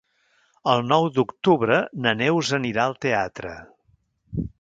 El nou d'octubre na Neus anirà al teatre.